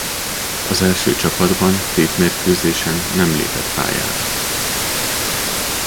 Az első csapatban tétmérkőzésen nem lépett pályára.